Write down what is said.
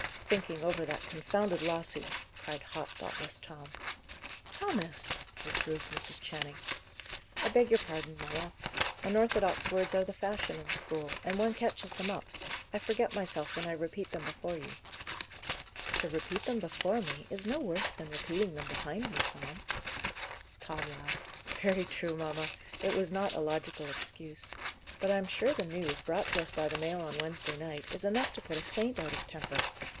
"Thinking over that confounded lawsuit," cried hot, thoughtless Tom. "Thomas!" reproved Mrs. Channing. "I beg your pardon, mamma. Unorthodox words are the fashion in school, and one catches them up. I forget myself when I repeat them before you." "To repeat them before me is no worse than repeating them behind me, Tom." Tom laughed. "Very true, mamma. It was not a logical excuse. But I am sure the news, brought to us by the mail on Wednesday night, is enough to put a saint out of temper.